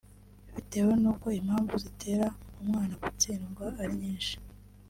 Bitewe n’uko impamvu zitera umwana gutsindwa ari nyinshi